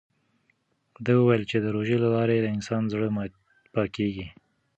ده وویل چې د روژې له لارې د انسان زړه پاکېږي.